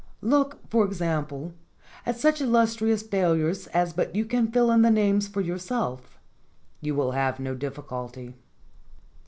Look, for example,, at such illustrious failures as But you may fill in the names for yourself; you will have no difficulty.